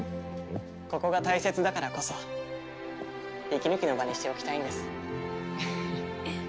ここが大切だからこそ息抜きの場にしておきたいんです。